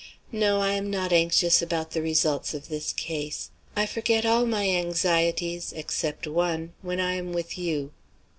No, I am not anxious about the results of this case. I forget all my anxieties (except one) when I am with you."